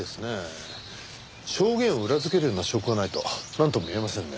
証言を裏付けるような証拠がないとなんとも言えませんね。